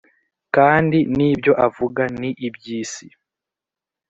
kandi n’ibyo avuga ni iby’isi